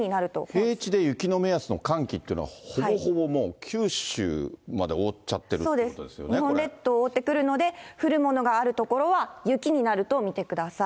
平地で雪の目安の寒気っていうのが、ほぼほぼ、もう、九州まそうです、日本列島覆ってくるので、降るものがある所は、雪になると見てください。